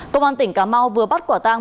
công an tỉnh cà mau vừa bắt quả tang